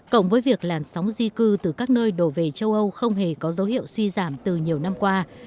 cộng với việc làn sóng di cư từ các nơi đổ về châu âu không hề có dấu hiệu suy giảm từ nhiều năm qua